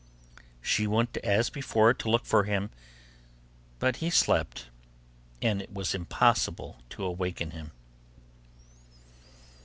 She went as before to look for him, but he slept, and it was impossible to awaken him.